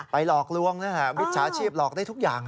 หลอกลวงมิจฉาชีพหลอกได้ทุกอย่าง